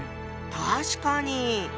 確かに。